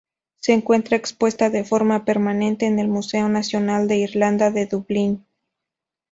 Se encuentra expuesta de forma permanente en el Museo Nacional de Irlanda de Dublín.